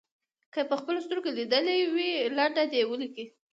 که یې په خپلو سترګو لیدلې وي لنډه دې ولیکي.